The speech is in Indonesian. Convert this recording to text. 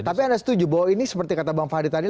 tapi anda setuju bahwa ini seperti kata bang fahri tadi